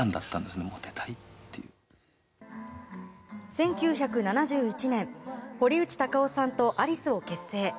１９７１年堀内孝雄さんとアリスを結成。